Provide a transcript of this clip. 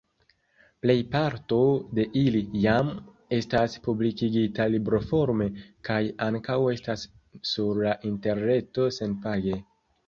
Plejparto de ili jam estas publikigita libroforme kaj ankaŭ estas sur la interreto senpage.